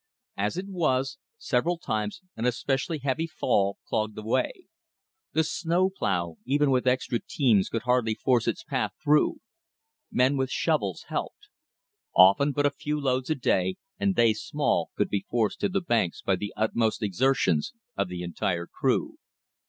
As it was, several times an especially heavy fall clogged the way. The snow plow, even with extra teams, could hardly force its path through. Men with shovels helped. Often but a few loads a day, and they small, could be forced to the banks by the utmost exertions of the entire crew.